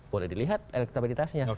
boleh dilihat elektabilitasnya